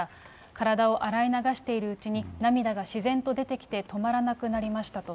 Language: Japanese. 体を洗い流しているうちに、涙が自然と出てきて止まらなくなりましたと。